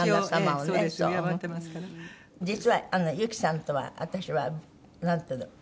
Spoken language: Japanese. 実は幸さんとは私はなんていうの？